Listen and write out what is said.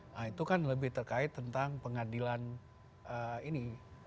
nah itu kan lebih terkait tentang pengadilan ini